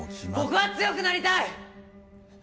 僕は強くなりたい！